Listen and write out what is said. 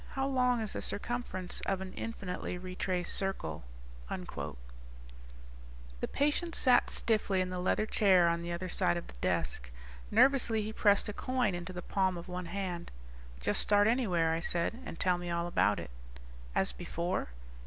how long is the circumference of an infinitely retraced circle?_ By JOHN O'KEEFE Illustrated by van Dongen The patient sat stiffly in the leather chair on the other side of the desk. Nervously he pressed a coin into the palm of one hand. "Just start anywhere," I said, "and tell me all about it." "As before?"